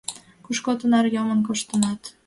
Кушто тынар йомын коштынат?